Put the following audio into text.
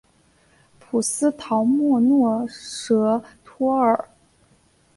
普斯陶莫诺什托尔。